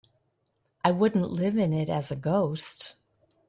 I wouldn't live in it as a ghost.